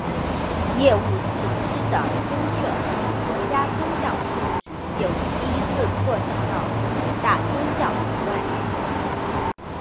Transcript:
业务四司的增设使国家宗教事务局的业务第一次拓展到五大宗教以外。